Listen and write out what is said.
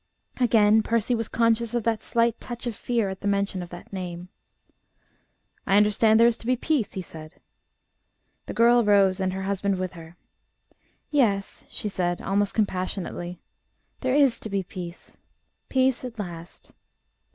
Again Percy was conscious of that slight touch of fear at the mention of that name. "I understand there is to be peace," he said. The girl rose and her husband with her. "Yes," she said, almost compassionately, "there is to be peace. Peace at last."